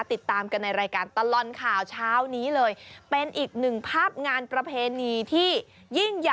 ติดตามกันในรายการตลอดข่าวเช้านี้เลย